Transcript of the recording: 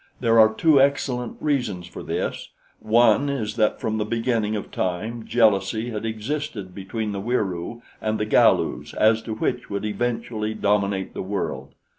There are two excellent reasons for this: One is that from the beginning of time jealousy has existed between the Wieroo and the Galus as to which would eventually dominate the world.